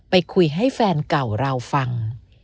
ไปคุยให้แฟนเก่าเราฟัง